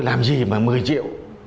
làm gì mà mười triệu